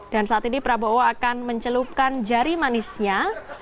dan saat ini prabowo akan mencelupkan jari manisnya